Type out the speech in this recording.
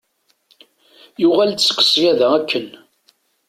Yuɣal-d seg ssyada akken.